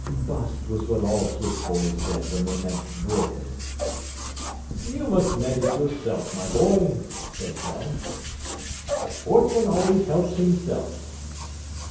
("Bust" was what all Swiss boys said when they meant "broken.") "You must mend it yourself, my boy," said Tell. "A sportsman always helps himself."